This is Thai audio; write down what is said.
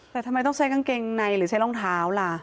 แต่ทำไมต้องใช้กางเกงในหรือใช้รองเท้าล่ะ